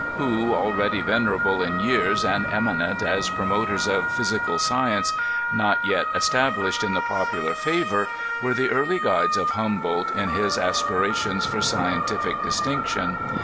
who already venerable in years and eminent as promoters of physical science not vet established in the popular favor, were the early guides of itumboldt in his aspirations for scientific dis tinction.